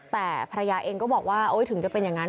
แต่ภรรยาเองก็บอกว่าถึงจะเป็นอย่างนั้น